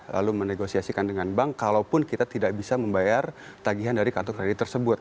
lalu menegosiasikan dengan bank kalaupun kita tidak bisa membayar tagihan dari kartu kredit tersebut